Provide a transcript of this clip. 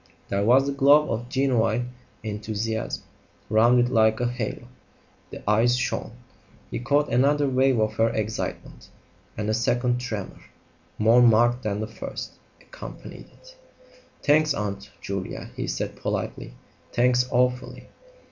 There was the glow of genuine enthusiasm round it like a halo. The eyes shone. He caught another wave of her excitement, and a second tremor, more marked than the first, accompanied it. "Thanks, Aunt Julia," he said politely; "thanks awfully."